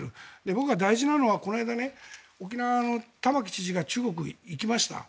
僕は大事なのはこの間、沖縄の玉城知事が中国に行きました。